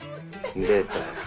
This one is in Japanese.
出たよ。